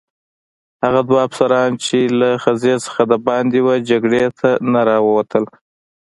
هغه دوه افسران چې له خزې څخه دباندې وه جګړې ته نه راوتل.